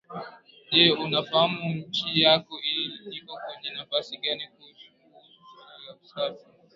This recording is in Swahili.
Je unafahamu nchi yako iko kwenye nafasi gani kuhusu suala la usafi